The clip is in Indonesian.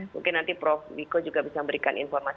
mungkin nanti prof miko juga bisa berikan informasi